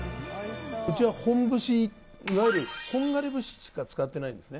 うちは本節、いわゆるほんがり節しか使っていないんですね。